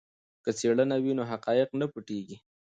که څېړنه وي نو حقایق نه پټیږي.